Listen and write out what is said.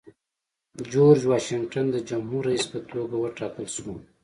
جورج واشنګټن د جمهوري رئیس په توګه وټاکل شو.